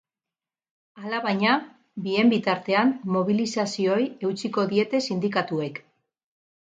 Alabaina, bien bitartean mobilizazioei eutsiko diete sindikatuek.